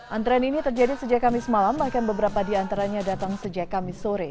antrean ini terjadi sejak kamis malam bahkan beberapa di antaranya datang sejak kamis sore